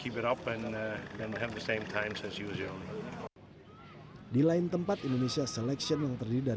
karena pernah memiliki kemampuan untuk berkumpul di yogyakarta